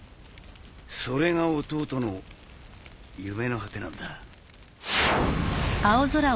それが弟の夢の果てなんだ。